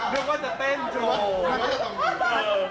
นึกว่าจะเต้นจริง